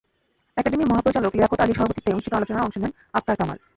একাডেমীর মহাপরিচালক লিয়াকত আলীর সভাপতিত্বে অনুষ্ঠিত আলোচনায় অংশ নেন আখতার কামাল।